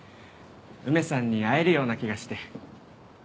梅さんに会えるような気がして。